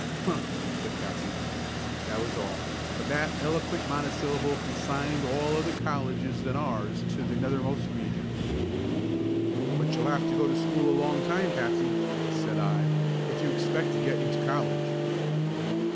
"Huh!" said Patsy. That was all, but that eloquent monosyllable consigned all other colleges than ours to the nethermost regions. "But you'll have to go to school a long time, Patsy," said I, "if you expect to get into college."